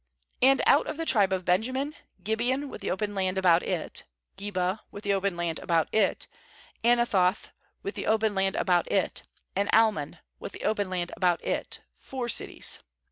17And out of the tribe of Benjamin, Gibeon with the open land about it, Geba with the open land about it; 18Ana thoth with the open land about it, and Almon with the open land about it; four cities.